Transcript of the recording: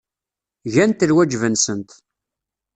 Gant lwajeb-nsent.